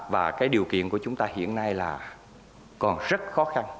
và cái điều kiện của chúng ta hiện nay là còn rất khó khăn